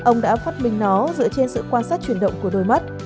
ông đã phát minh nó dựa trên sự quan sát chuyển động của đôi mắt